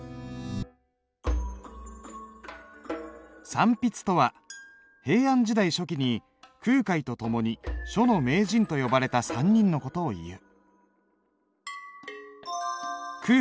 三筆とは平安時代初期に空海と共に書の名人と呼ばれた３人の事をいう。